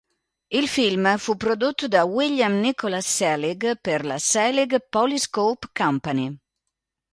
Il film fu prodotto da William Nicholas Selig per la Selig Polyscope Company.